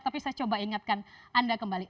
tapi saya coba ingatkan anda kembali